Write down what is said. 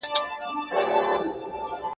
د رندانو په محفل کي د مستۍ په انجمن کي `